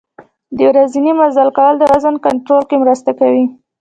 ورځنی مزل کول د وزن کنترول کې مرسته کوي.